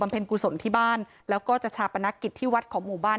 เป็นกุศลที่บ้านแล้วก็จะชาปนกิจที่วัดของหมู่บ้าน